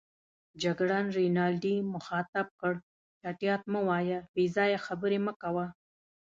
جګړن رینالډي مخاطب کړ: چټیات مه وایه، بې ځایه خبرې مه کوه.